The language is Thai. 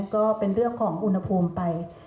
ก็เป็นเรื่องของอุณหภูมิไป